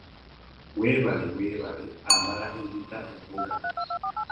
Webale webale amala ebitta embuga.